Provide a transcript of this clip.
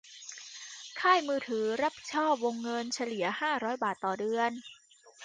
ค่ายมือถือรับผิดชอบวงเงินเฉลี่ยห้าร้อยบาทต่อเดือน